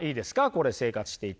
これ生活していて。